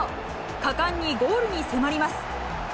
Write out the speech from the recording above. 果敢にゴールに迫ります。